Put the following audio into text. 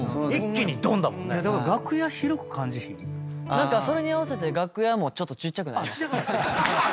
何かそれに合わせて楽屋もちょっとちっちゃくなりました。